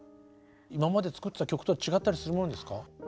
今まで作ってた曲とは違ったりするものですか？